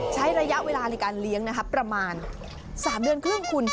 ใช้ระยะเวลาในการเลี้ยงประมาณ๓เดือนครึ่งคุณ